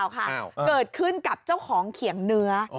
เกิดขึ้นกับเจ้าของเขียงเนื้อ